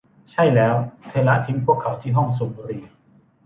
ใช่แล้วเธอละทิ้งพวกเขาที่ห้องสูบบุหรี่